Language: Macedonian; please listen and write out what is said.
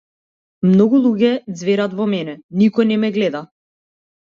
Многу луѓе ѕверат во мене, никој не ме гледа.